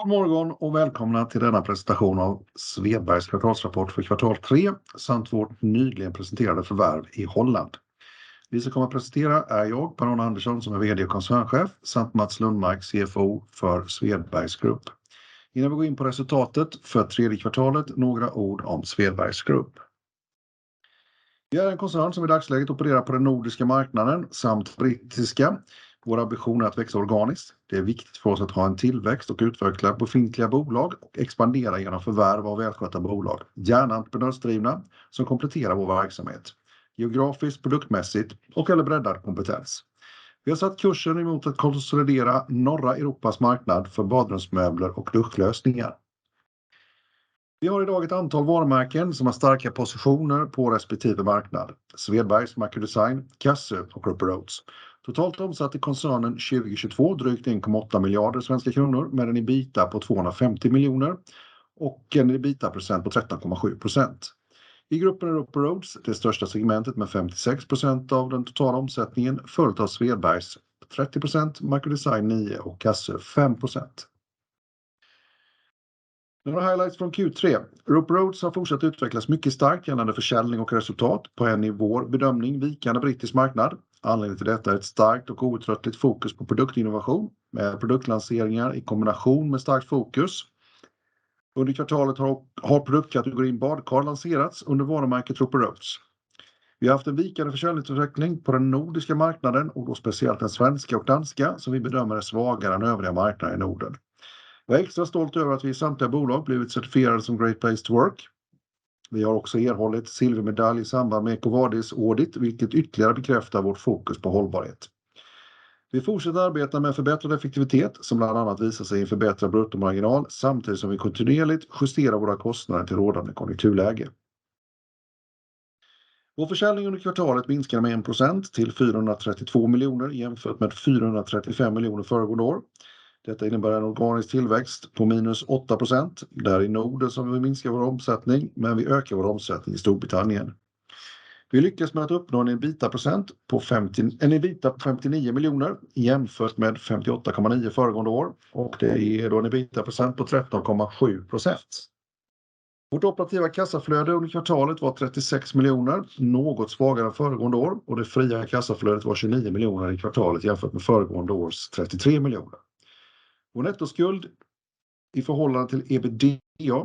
God morgon och välkomna till denna presentation av Svedbergs kvartalsrapport för kvartal tre, samt vårt nyligen presenterade förvärv i Holland. Vi som kommer att presentera är jag, Per-Arne Andersson, som är VD och koncernchef, samt Mats Lundmark, CFO för Svedbergs Group. Innan vi går in på resultatet för tredje kvartalet, några ord om Svedbergs Group. Vi är en koncern som i dagsläget opererar på den nordiska marknaden samt brittiska. Vår ambition är att växa organiskt. Det är viktigt för oss att ha en tillväxt och utveckla befintliga bolag och expandera igenom förvärv av välskötta bolag, gärna entreprenörsdrivna, som kompletterar vår verksamhet, geografiskt, produktmässigt och eller breddad kompetens. Vi har satt kursen mot att konsolidera norra Europas marknad för badrumsmöbler och duschlösningar. Vi har i dag ett antal varumärken som har starka positioner på respektive marknad: Svedbergs, Maco Design, Cassö och Roper Rhodes. Totalt omsatte koncernen 2022 drygt 1,8 miljarder svenska kronor med en EBITDA på 250 miljoner och en EBITDA-procent på 13,7%. I gruppen Rope Roads, det största segmentet med 56% av den totala omsättningen, följt av Svedbergs, 30%, Maco Design 9% och Cassö 5%. Några highlights från Q3. Rope Roads har fortsatt utvecklas mycket starkt gällande försäljning och resultat på en i vår bedömning vikande brittisk marknad. Anledningen till detta är ett starkt och outtröttligt fokus på produktinnovation med produktlanseringar i kombination med starkt fokus. Under kvartalet har produktkategorin badkar lanserats under varumärket Rope Roads. Vi har haft en vikande försäljningsutveckling på den nordiska marknaden och då speciellt den svenska och danska, som vi bedömer är svagare än övriga marknader i Norden. Jag är extra stolt över att vi i samtliga bolag blivit certifierade som Great Place to Work. Vi har också erhållit silvermedalj i samband med Ecovardis audit, vilket ytterligare bekräftar vårt fokus på hållbarhet. Vi fortsätter att arbeta med förbättrad effektivitet som bland annat visar sig i en förbättrad bruttomarginal, samtidigt som vi kontinuerligt justerar våra kostnader till rådande konjunkturläge. Vår försäljning under kvartalet minskar med 1% till 432 miljoner jämfört med 435 miljoner föregående år. Detta innebär en organisk tillväxt på -8%, där i Norden som vi minskar vår omsättning, men vi ökar vår omsättning i Storbritannien. Vi lyckas med att uppnå en EBITDA på 59 miljoner, jämfört med 58,9 miljoner föregående år och det är då en EBITDA-procent på 13,7%. Vårt operativa kassaflöde under kvartalet var 36 miljoner, något svagare än föregående år och det fria kassaflödet var 29 miljoner i kvartalet jämfört med föregående års 33 miljoner. Vår nettoskuld i förhållande till EBITDA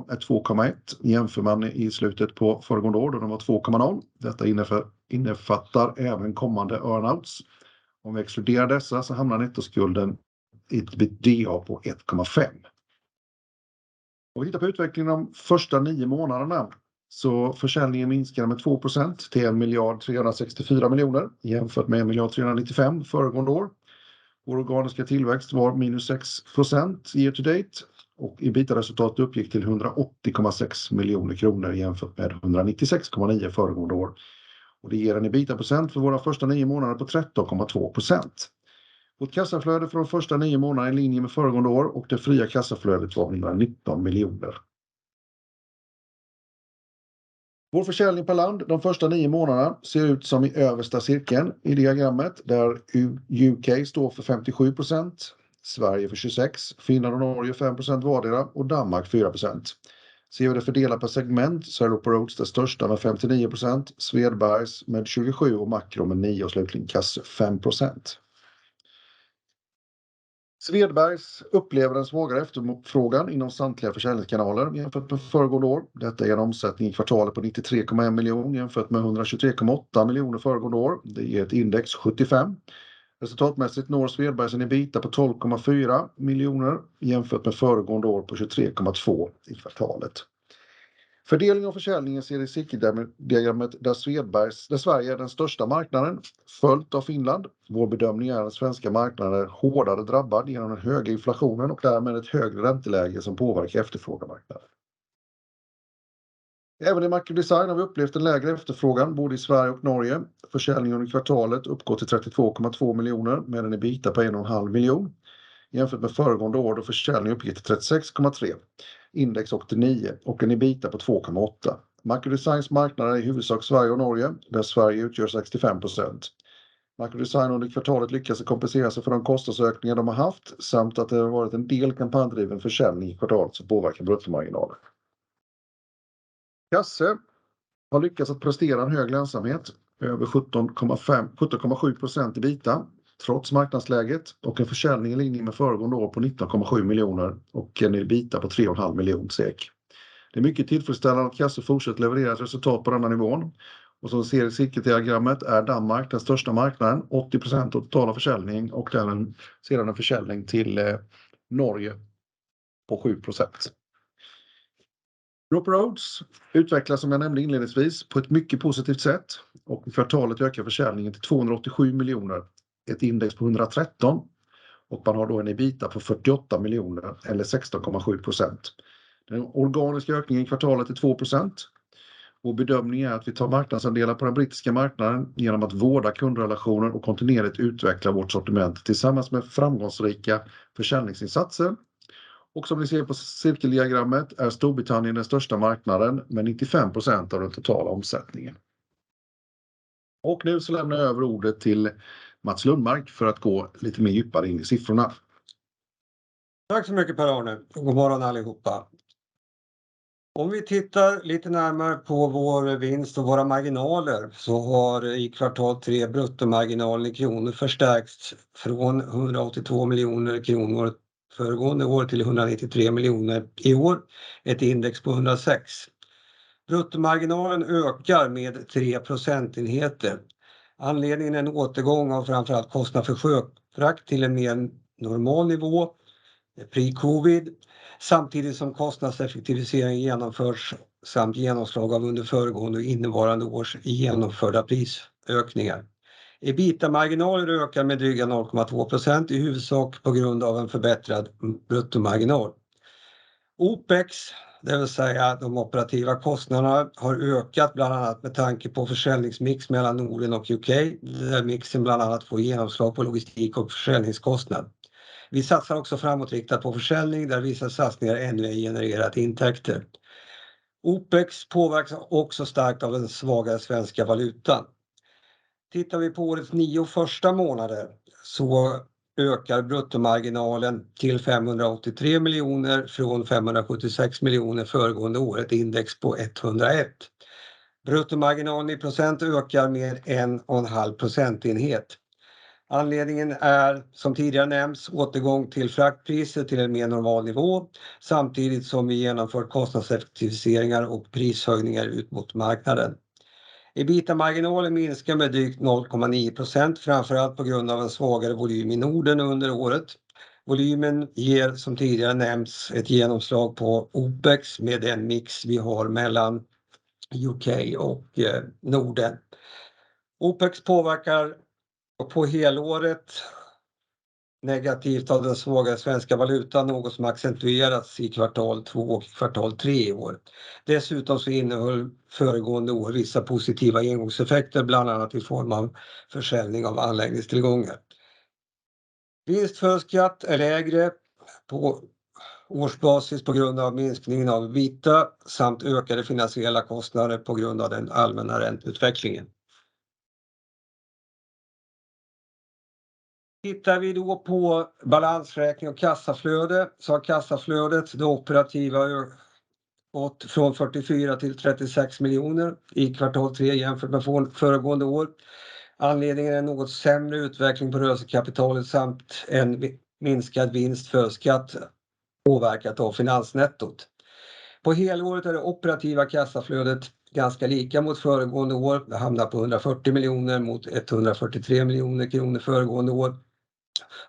är 2,1. Jämför man i slutet på föregående år då den var 2,0. Detta innefattar även kommande earn outs. Om vi exkluderar dessa så hamnar nettoskulden i EBITDA på 1,5. Om vi tittar på utvecklingen de första nio månaderna, så försäljningen minskar med 2% till 1 miljard 364 miljoner, jämfört med 1 miljard 395 föregående år. Vår organiska tillväxt var -6% year to date och EBITDA-resultatet uppgick till 180,6 miljoner kronor jämfört med 196,9 föregående år. Det ger en EBITDA-procent för våra första nio månader på 13,2%. Vårt kassaflöde från de första nio månaderna är i linje med föregående år och det fria kassaflödet var 119 miljoner. Vår försäljning per land, de första nio månaderna ser ut som i översta cirkeln i diagrammet, där UK står för 57%, Sverige för 26%, Finland och Norge, 5% vardera och Danmark 4%. Ser vi det fördelat på segment, så är Rope Roads den största med 59%, Svedbergs med 27% och Maco med 9% och slutligen Cassö 5%. Svedbergs upplever en svagare efterfrågan inom samtliga försäljningskanaler jämfört med föregående år. Detta ger en omsättning i kvartalet på 93,1 miljoner jämfört med 123,8 miljoner föregående år. Det ger ett index 75. Resultatmässigt når Svedbergs en EBITDA på 12,4 miljoner, jämfört med föregående år på 23,2 i kvartalet. Fördelning av försäljningen ser i cirkeldiagrammet där Svedbergs, där Sverige är den största marknaden, följt av Finland. Vår bedömning är att svenska marknaden är hårdare drabbad genom den höga inflationen och därmed ett högre ränteläge som påverkar efterfrågan på marknaden. Även i Maco Design har vi upplevt en lägre efterfrågan, både i Sverige och Norge. Försäljningen under kvartalet uppgår till 32,2 miljoner med en EBITDA på 1,5 miljoner. Jämfört med föregående år då försäljningen uppgick till 36,3, index 89 och en EBITDA på 2,8. Maco Designs marknad är i huvudsak Sverige och Norge, där Sverige utgör 65%. Maco Design under kvartalet lyckas kompensera sig för de kostnadsökningar de har haft, samt att det har varit en del kampanjdriven försäljning i kvartalet som påverkar bruttomarginalen. Cassö har lyckats att prestera en hög lönsamhet, över 17,5%, 17,7% EBITDA, trots marknadsläget och en försäljning i linje med föregående år på 19,7 miljoner och en EBITDA på 3,5 miljoner SEK. Det är mycket tillfredsställande att Cassö fortsätter leverera ett resultat på denna nivån och som du ser i cirkeldiagrammet är Danmark den största marknaden, 80% av totala försäljning och sedan en försäljning till Norge på 7%. Rope Roads utvecklas som jag nämnde inledningsvis på ett mycket positivt sätt och i kvartalet ökar försäljningen till 287 miljoner, ett index på 113, och man har då en EBITDA på 48 miljoner eller 16,7%. Den organiska ökningen i kvartalet är 2% och bedömningen är att vi tar marknadsandelar på den brittiska marknaden igenom att vårda kundrelationer och kontinuerligt utveckla vårt sortiment tillsammans med framgångsrika försäljningsinsatser. Och som ni ser på cirkeldiagrammet är Storbritannien den största marknaden med 95% av den totala omsättningen. Och nu så lämnar jag över ordet till Mats Lundmark för att gå lite mer djupare in i siffrorna. Tack så mycket Per-Arne. God morgon allihopa! Om vi tittar lite närmare på vår vinst och våra marginaler, så har i kvartal tre bruttomarginalen i kronor förstärkts från 182 miljoner kronor föregående år till 193 miljoner i år. Ett index på 106. Bruttomarginalen ökar med tre procentenheter. Anledningen är en återgång av framför allt kostnad för sjöfrakt till en mer normal nivå, fri covid, samtidigt som kostnadseffektivisering genomförs samt genomslag av under föregående och innevarande års genomförda prisökningar. EBITDA-marginalen ökar med dryga 0,2% i huvudsak på grund av en förbättrad bruttomarginal. Opex, det vill säga de operativa kostnaderna, har ökat bland annat med tanke på försäljningsmix mellan Norden och UK, där mixen bland annat får genomslag på logistik och försäljningskostnad. Vi satsar också framåtriktat på försäljning, där vissa satsningar ännu har genererat intäkter. Opex påverkas också starkt av den svagare svenska valutan. Tittar vi på årets nio första månader så ökar bruttomarginalen till 583 miljoner från 576 miljoner föregående år, ett index på 101. Bruttomarginalen i procent ökar med 1,5 procentenheter. Anledningen är, som tidigare nämnts, återgång till fraktpriset till en mer normal nivå, samtidigt som vi genomför kostnadseffektiviseringar och prishöjningar ut mot marknaden. EBITDA-marginalen minskar med drygt 0,9%, framför allt på grund av en svagare volym i Norden under året. Volymen ger, som tidigare nämnts, ett genomslag på Opex med den mix vi har mellan UK och Norden. Opex påverkar på helåret negativt av den svaga svenska valutan, något som accentueras i kvartal två och kvartal tre i år. Dessutom så innehöll föregående år vissa positiva engångseffekter, bland annat i form av försäljning av anläggningstillgångar. Vinst för skatt är lägre på årsbasis på grund av minskningen av EBITDA samt ökade finansiella kostnader på grund av den allmänna ränteutvecklingen. Tittar vi då på balansräkning och kassaflöde, så har kassaflödet, det operativa, gått från 44 till 36 miljoner kronor i kvartal tre jämfört med föregående år. Anledningen är något sämre utveckling på rörelsekapitalet samt en minskad vinst för skatt, påverkat av finansnettot. På helåret är det operativa kassaflödet ganska lika mot föregående år. Det hamnar på 140 miljoner kronor mot 143 miljoner kronor föregående år,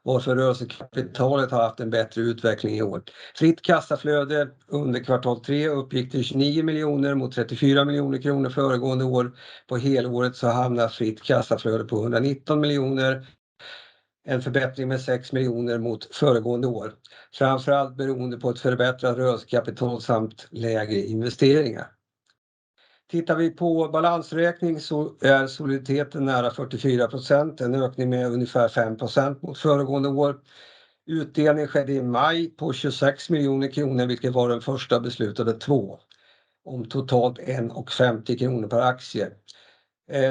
varför rörelsekapitalet har haft en bättre utveckling i år. Fritt kassaflöde under kvartal tre uppgick till 29 miljoner kronor mot 34 miljoner kronor föregående år. På helåret så hamnar fritt kassaflöde på 119 miljoner kronor. En förbättring med 6 miljoner kronor mot föregående år, framför allt beroende på ett förbättrat rörelsekapital samt lägre investeringar. Tittar vi på balansräkning så är soliditeten nära 44%, en ökning med ungefär 5% mot föregående år. Utdelning skedde i maj på 26 miljoner kronor, vilket var den första beslutade två, om totalt 1,50 kronor per aktie.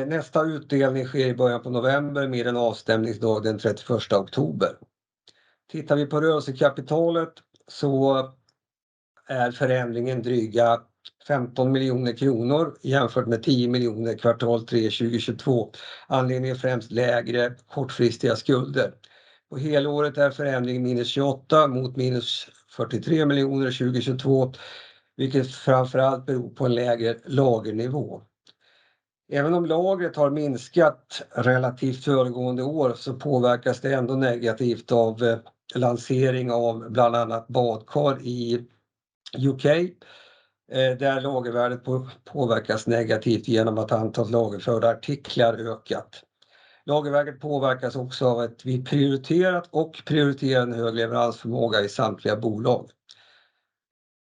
Nästa utdelning sker i början på november med en avstämningsdag den 31 oktober. Tittar vi på rörelsekapitalet så är förändringen dryga 15 miljoner kronor jämfört med 10 miljoner kvartal tre 2022. Anledningen är främst lägre kortfristiga skulder. På helåret är förändringen minus 28 mot minus 43 miljoner 2022, vilket framför allt beror på en lägre lagernivå. Även om lagret har minskat relativt föregående år, så påverkas det ändå negativt av lansering av bland annat badkar i UK, där lagervärdet påverkas negativt genom att antalet lagerförda artiklar ökat. Lagervärdet påverkas också av att vi prioriterat och prioriterar en hög leveransförmåga i samtliga bolag.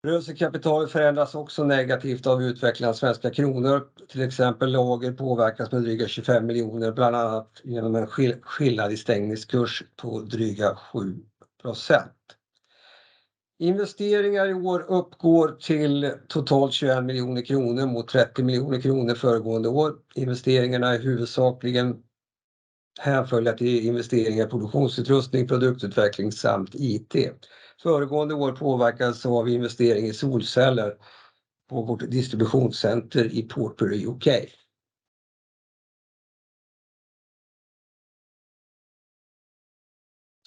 Rörelsekapitalet förändras också negativt av utvecklingen av svenska kronor. Till exempel, lager påverkas med drygt 25 miljoner kronor, bland annat igenom en skillnad i stängningskurs på drygt 7%. Investeringar i år uppgår till totalt 21 miljoner kronor mot 30 miljoner kronor föregående år. Investeringarna är huvudsakligen hänförliga till investeringar, produktionsutrustning, produktutveckling samt IT. Föregående år påverkades av investering i solceller på vårt distributionscenter i Portbury, UK.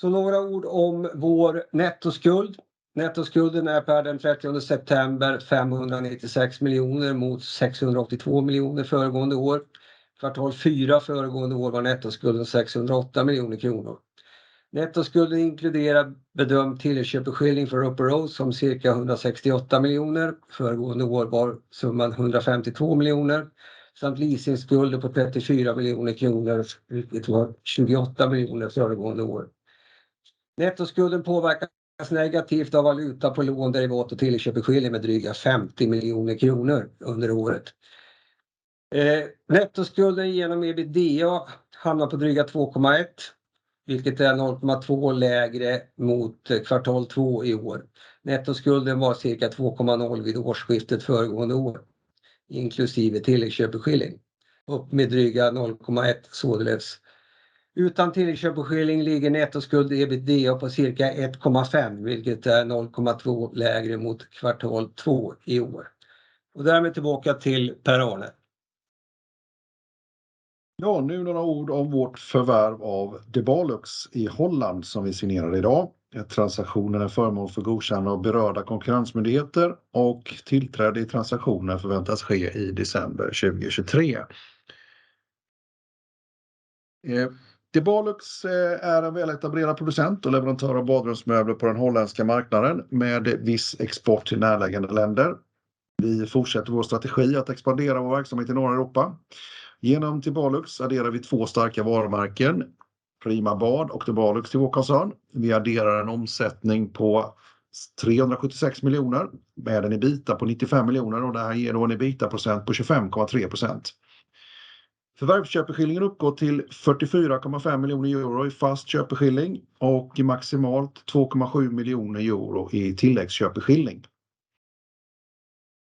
Några ord om vår nettoskuld. Nettoskulden är per den 30 september 596 miljoner kronor mot 682 miljoner kronor föregående år. Kvartal fyra föregående år var nettoskulden 608 miljoner kronor. Nettoskulden inkluderar bedömd tillköpeskilling för Upper House om cirka 168 miljoner kronor. Föregående år var summan 152 miljoner kronor samt leasingskulder på 34 miljoner kronor, vilket var 28 miljoner kronor föregående år. Nettoskulden påverkas negativt av valuta på lån, derivat och tillköpeskilling med drygt 50 miljoner kronor under året. Nettoskulden igenom EBITDA hamnar på dryga 2,1, vilket är 0,2 lägre mot kvartal två i år. Nettoskulden var cirka 2,0 vid årsskiftet föregående år, inklusive tilläggsköpeskilling, upp med dryga 0,1 sådeles. Utan tilläggsköpeskilling ligger nettoskuld EBITDA på cirka 1,5, vilket är 0,2 lägre mot kvartal två i år. Därmed tillbaka till Per-Arne. Ja, nu några ord om vårt förvärv av De Balux i Holland, som vi signerade idag. Transaktionen är föremål för godkännande av berörda konkurrensmyndigheter och tillträde i transaktionen förväntas ske i december 2023. De Balux är en väletablerad producent och leverantör av badrumsmöbler på den holländska marknaden med viss export till närliggande länder. Vi fortsätter vår strategi att expandera vår verksamhet i norra Europa. Genom till Balux adderar vi två starka varumärken, Prima Bad och De Balux till vår koncern. Vi adderar en omsättning på €376 miljoner med en EBITDA på €95 miljoner och det här ger då en EBITDA-procent på 25,3%. Förvärvsköpeskillingen uppgår till €44,5 miljoner i fast köpeskilling och maximalt €2,7 miljoner i tilläggsköpeskilling.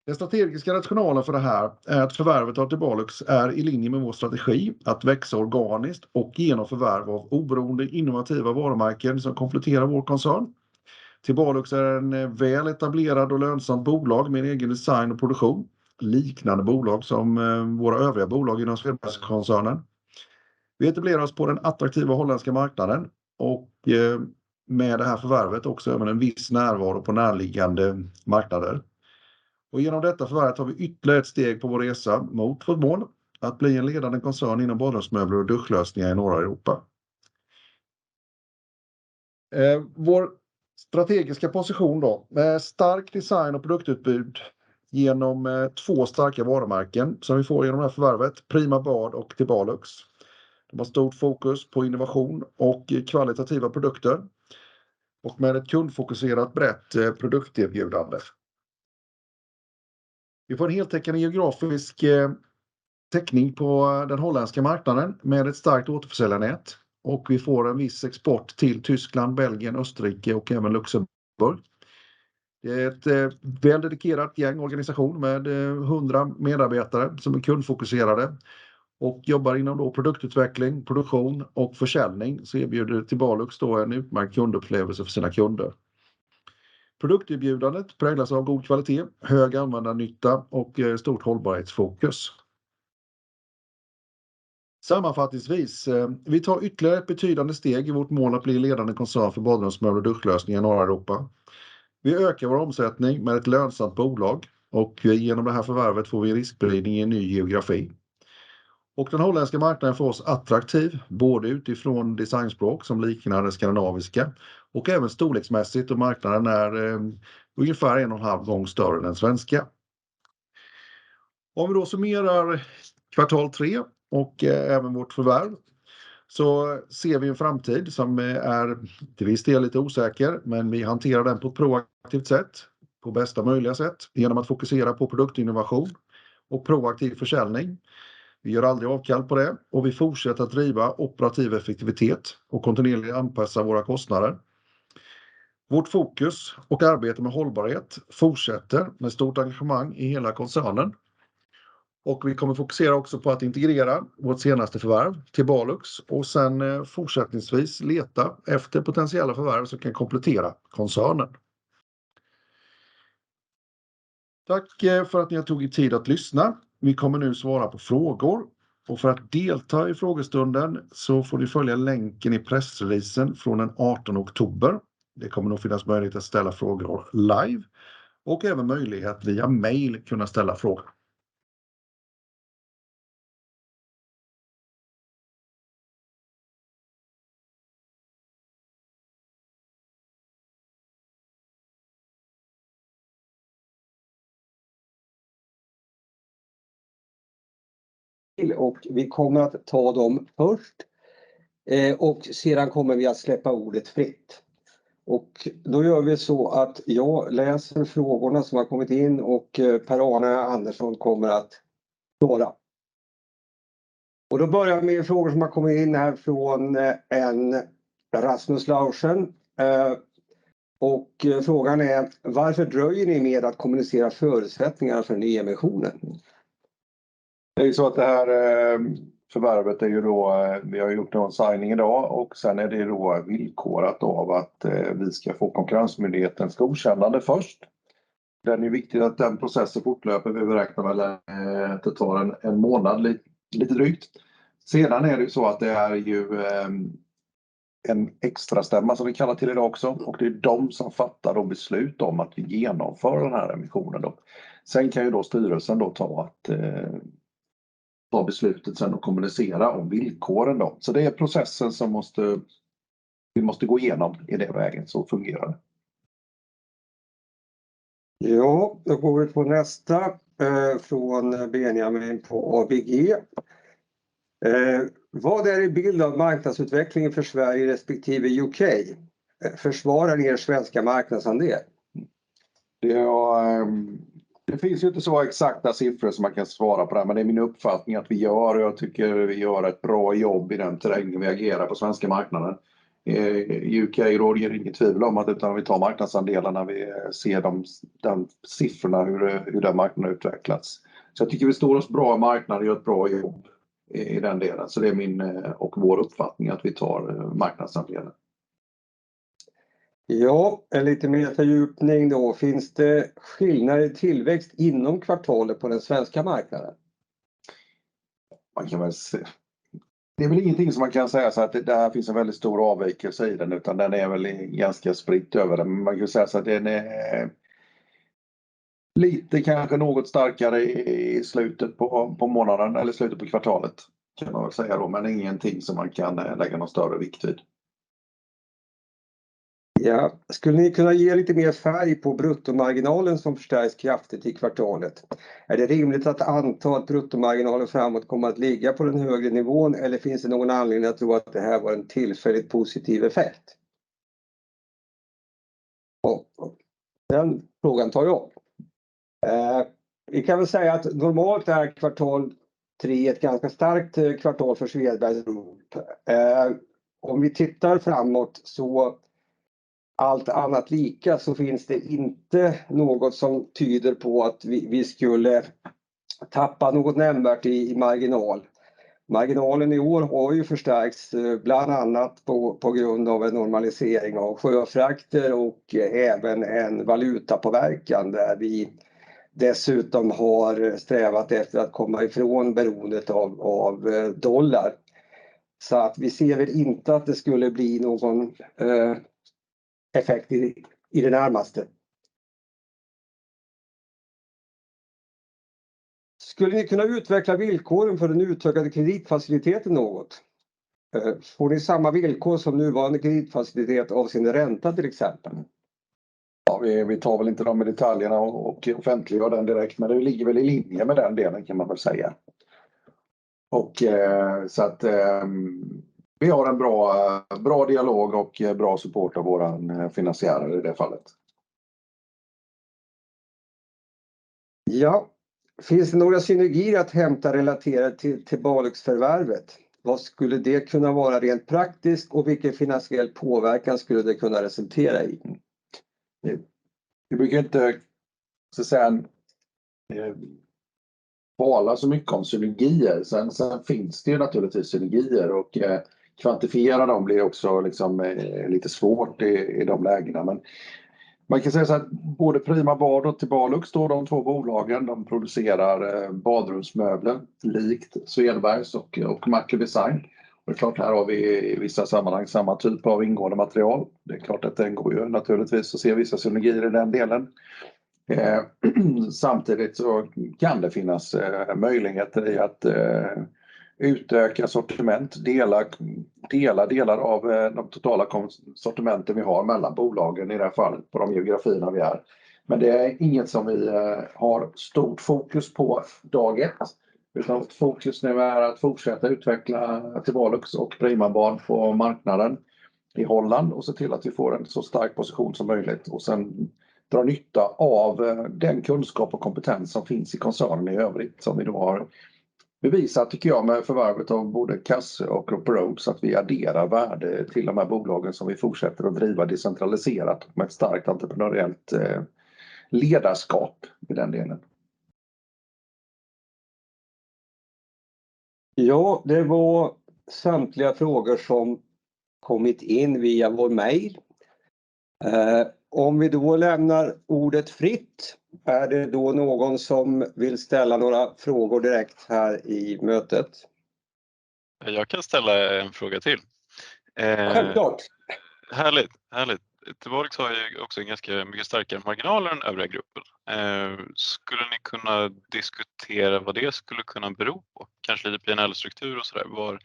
Den strategiska rationalen för det här är att förvärvet av De Balux är i linje med vår strategi att växa organiskt och genom förvärv av oberoende, innovativa varumärken som kompletterar vår koncern. De Balux är ett väl etablerat och lönsamt bolag med egen design och produktion, liknande bolag som våra övriga bolag inom Svemenskoncernen. Vi etablerar oss på den attraktiva holländska marknaden och med det här förvärvet också med en viss närvaro på närliggande marknader. Genom detta förvärvet tar vi ytterligare ett steg på vår resa mot vårt mål att bli en ledande koncern inom badrumsmöbler och duschlösningar i norra Europa. Vår strategiska position då, med stark design och produktutbud genom två starka varumärken som vi får igenom det här förvärvet, Prima Bad och De Balux. De har stort fokus på innovation och kvalitativa produkter och med ett kundfokuserat, brett produkterbjudande. Vi får en heltäckande geografisk täckning på den holländska marknaden med ett starkt återförsäljarnät och vi får en viss export till Tyskland, Belgien, Österrike och även Luxemburg. Det är ett väl dedikerat gäng organisation med hundra medarbetare som är kundfokuserade och jobbar inom produktutveckling, produktion och försäljning, så erbjuder till Balux en utmärkt kundupplevelse för sina kunder. Produkterbjudandet präglas av god kvalitet, hög användarnytta och stort hållbarhetsfokus. Sammanfattningsvis, vi tar ytterligare ett betydande steg i vårt mål att bli ledande koncern för badrumsmöbel och duschlösning i norra Europa. Vi ökar vår omsättning med ett lönsamt bolag och genom det här förvärvet får vi riskberedning i en ny geografi. Den holländska marknaden för oss attraktiv, både utifrån designspråk som liknar det skandinaviska och även storleksmässigt, och marknaden är ungefär en och en halv gång större än den svenska. Om vi då summerar kvartal tre och även vårt förvärv, så ser vi en framtid som är till viss del lite osäker, men vi hanterar den på ett proaktivt sätt, på bästa möjliga sätt, genom att fokusera på produktinnovation och proaktiv försäljning. Vi gör aldrig avkall på det och vi fortsätter att driva operativ effektivitet och kontinuerligt anpassa våra kostnader. Vårt fokus och arbete med hållbarhet fortsätter med stort engagemang i hela koncernen och vi kommer fokusera också på att integrera vårt senaste förvärv, de Balux, och sedan fortsättningsvis leta efter potentiella förvärv som kan komplettera koncernen. Tack för att ni har tagit er tid att lyssna. Vi kommer nu svara på frågor och för att delta i frågestunden så får ni följa länken i pressreleasen från den 18 oktober. Det kommer att finnas möjlighet att ställa frågor live och även möjlighet via mail kunna ställa frågor. Vi kommer att ta dem först och sedan kommer vi att släppa ordet fritt. Då gör vi så att jag läser frågorna som har kommit in och Per-Arne Andersson kommer att svara. Då börjar jag med en fråga som har kommit in här från en Rasmus Laursen. Frågan är: varför dröjer ni med att kommunicera förutsättningar för nyemissionen? Det är ju så att det här förvärvet är då, vi har gjort en signing idag och sedan är det villkorat av att vi ska få Konkurrensmyndigheten ska godkänna det först. Den är viktig att den processen fortlöper. Vi beräknar att det tar en månad, lite drygt. Sedan är det så att det är en extra stämma som vi kallar till idag också och det är de som fattar de beslut om att vi genomför den här emissionen. Sen kan styrelsen ta beslutet sedan och kommunicera om villkoren. Så det är processen som måste, vi måste gå igenom i det vägen, så fungerar det. Ja, då går vi på nästa från Benjamin på ABG. Vad är din bild av marknadsutvecklingen för Sverige respektive UK? Försvarar er svenska marknadsandel? Det finns ju inte så exakta siffror som man kan svara på det, men det är min uppfattning att vi gör och jag tycker vi gör ett bra jobb i den terrängen. Vi agerar på svenska marknaden. UK är, det är inget tvivel om att vi tar marknadsandelarna, vi ser siffrorna, hur den marknaden utvecklats. Så jag tycker vi står oss bra i marknaden och gör ett bra jobb i den delen. Så det är min och vår uppfattning att vi tar marknadsandelen. Ja, en lite mer fördjupning då. Finns det skillnad i tillväxt inom kvartalet på den svenska marknaden? Man kan väl se. Det är väl ingenting som man kan säga så att det här finns en väldigt stor avvikelse i den, utan den är väl ganska spridd över den. Man kan säga att den är lite, kanske något starkare i slutet på, på månaden eller slutet på kvartalet, kan man säga då, men ingenting som man kan lägga någon större vikt vid. Ja, skulle ni kunna ge lite mer färg på bruttomarginalen som förstärks kraftigt i kvartalet? Är det rimligt att anta att bruttomarginalen framåt kommer att ligga på den högre nivån eller finns det någon anledning att tro att det här var en tillfälligt positiv effekt? Den frågan tar jag. Vi kan väl säga att normalt är kvartal tre ett ganska starkt kvartal för Svedbergs. Om vi tittar framåt så allt annat lika, så finns det inte något som tyder på att vi skulle tappa något nämnvärt i marginal. Marginalen i år har ju förstärkts bland annat på grund av en normalisering av sjöfrakter och även en valutapåverkan, där vi dessutom har strävat efter att komma ifrån beroendet av dollar. Så att vi ser väl inte att det skulle bli någon effekt i det närmaste. Skulle ni kunna utveckla villkoren för den utökade kreditfaciliteten något? Får ni samma villkor som nuvarande kreditfacilitet av sin ränta, till exempel? Ja, vi tar väl inte de i detaljerna och offentliggör den direkt, men det ligger väl i linje med den delen kan man väl säga. Så att vi har en bra, bra dialog och bra support av vår finansiär i det fallet. Ja, finns det några synergier att hämta relaterat till Tibalux-förvärvet? Vad skulle det kunna vara rent praktiskt och vilken finansiell påverkan skulle det kunna resultera i? Vi brukar inte så sedan tala så mycket om synergier. Sen finns det ju naturligtvis synergier och kvantifiera dem blir också liksom lite svårt i de lägena. Men man kan säga att både Prima Bad och Tibalux, då de två bolagen, de producerar badrumsmöbler, likt Svedbergs och Macki Design. Det är klart, här har vi i vissa sammanhang samma typ av ingående material. Det är klart att det går ju naturligtvis att se vissa synergier i den delen. Samtidigt så kan det finnas möjligheter i att utöka sortiment, dela delar av de totala sortimenten vi har mellan bolagen, i det här fallet på de geografierna vi är. Men det är inget som vi har stort fokus på dag ett. Utan fokus nu är att fortsätta utveckla Tibalux och Prima Bad på marknaden i Holland och se till att vi får en så stark position som möjligt och sedan dra nytta av den kunskap och kompetens som finns i koncernen i övrigt, som vi då har bevisat, tycker jag, med förvärvet av både Cassö och Rope Rogues, att vi adderar värde till de här bolagen som vi fortsätter att driva decentraliserat med ett starkt entreprenöriellt ledarskap i den delen. Ja, det var samtliga frågor som kommit in via vår mejl. Om vi då lämnar ordet fritt, är det då någon som vill ställa några frågor direkt här i mötet? Jag kan ställa en fråga till. Självklart! Härligt, härligt. Tibalux har ju också en ganska mycket starkare marginal än övriga gruppen. Skulle ni kunna diskutera vad det skulle kunna bero på? Kanske lite PNL-struktur och sådär.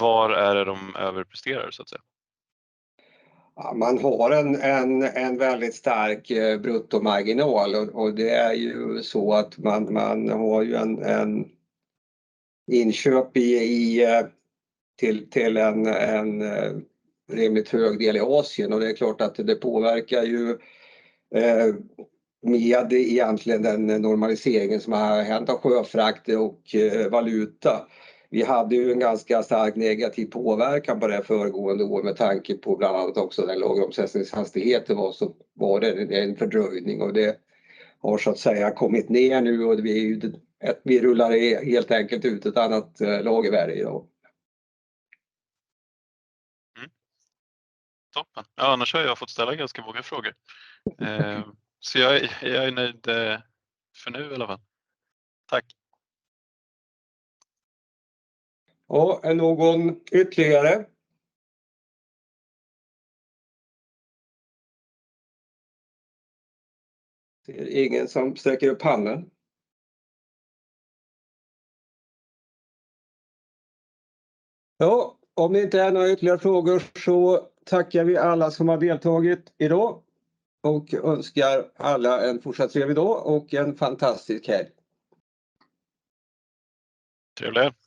Var är det de överpresterar så att säga? Man har en väldigt stark bruttomarginal och det är ju så att man har ju en inköp till en rimligt hög del i Asien och det är klart att det påverkar ju med egentligen den normaliseringen som har hänt av sjöfrakt och valuta. Vi hade ju en ganska stark negativ påverkan på det föregående år med tanke på bland annat också den låga omsättningshastigheten, var det en fördröjning och det har så att säga kommit ner nu och vi rullar helt enkelt ut ett annat lagervärde i dag. Toppen! Annars har jag fått ställa ganska många frågor. Så jag är nöjd för nu i alla fall. Tack! Ja, är någon ytterligare? Det är ingen som sträcker upp handen. Om det inte är några ytterligare frågor så tackar vi alla som har deltagit idag och önskar alla en fortsatt trevlig dag och en fantastisk helg. Trevlig!